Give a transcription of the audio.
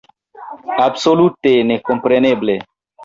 Absolute nekompreneble!